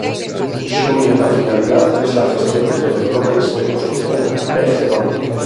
Su única finalidad es la gestión de los bloques de construcción de Geronimo.